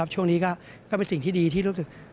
ช่วงนี้ก็เป็นสิ่งที่ดีที่รู้สึก